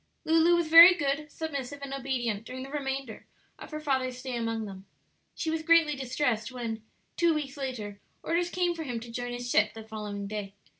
Lulu was very good, submissive, and obedient during the remainder of her father's stay among them. She was greatly distressed when, two weeks later, orders came for him to join his ship the following day.